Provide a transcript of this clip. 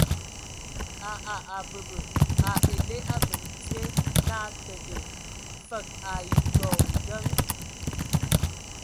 A a abəbə a ele abəl dzie naa tǝgə fəg ai tɔ ngǝŋ.